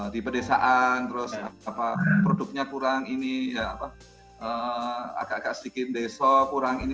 di pedesaan terus produknya kurang ini agak agak sedikit desa kurang ini